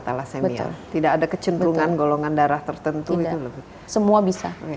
thalassemia tidak ada kecenderungan golongan darah tertentu itu lebih semua bisa